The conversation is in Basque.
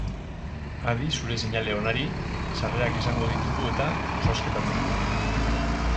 Adi zure seinale onari, sarrerak izango ditugu-eta zozkatzeko!